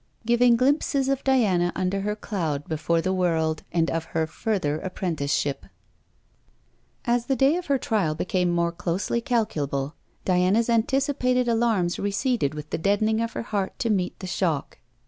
GIVING GLIMPSES OF DIANA UNDER HER CLOUD BEFORE THE WORLD AND OF HER FURTHER APPRENTICESHIP As the day of her trial became more closely calculable, Diana's anticipated alarms receded with the deadening of her heart to meet the shock.